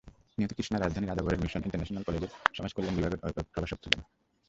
নিহত কৃষ্ণা রাজধানীর আদাবরে মিশন ইন্টারন্যাশনাল কলেজের সমাজকল্যাণ বিভাগের প্রভাষক ছিলেন।